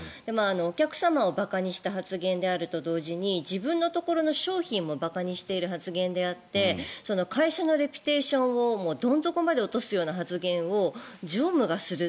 お客様を馬鹿にした発言であると同時に自分のところの商品も馬鹿にしている発言であって会社のレビテーションをどん底にまで落とすような発言を常務がする。